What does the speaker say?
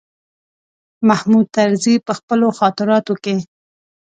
محمود طرزي په خپلو خاطراتو کې.